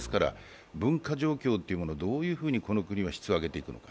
文化状況というものをどういうふうにこの国は質を上げていくのか。